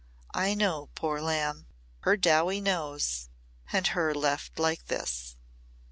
I know, poor lamb. Her Dowie knows. And her left like this!"